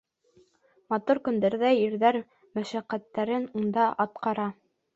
Матур көндәрҙә ирҙәр мәшәҡәттәрен унда атҡара.